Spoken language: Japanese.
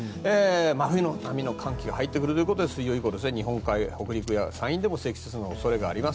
真冬並みの寒気が入ってくるということで水曜以降日本海、山陰や北陸でも積雪の恐れがあります。